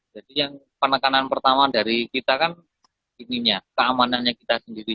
jadi yang penekanan pertama dari kita kan keamanannya kita sendiri